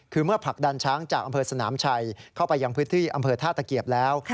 คือเมื่อผลักดันช้างจากอำเภอสนามชัยเข้าไปยังพื้นที่อำเภอท่าตะเกียบแล้ว